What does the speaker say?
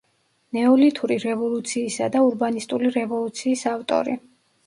ნეოლითური რევოლუციისა და ურბანისტული რევოლუციის ავტორი.